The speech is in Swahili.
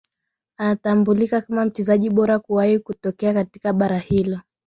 Anatambulika kama mchezaji bora kuwahi kutokea katika bara hilo